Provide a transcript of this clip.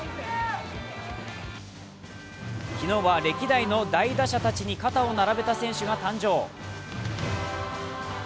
昨日は歴代の大打者たちに肩を並べた選手が誕生。